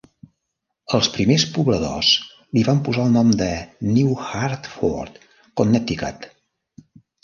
Els primers pobladors li van posar el nom de New Hartford, Connecticut.